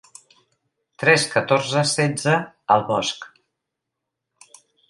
Tres catorze setze al bosc.